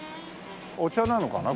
お茶なのかな？